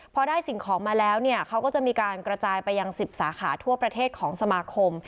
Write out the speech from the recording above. พอได้สิ่งของมาแล้วเนี่ยเขาก็จะมีการกระจายไปยัง๑๐สาขาทั่วประเทศของสมาคม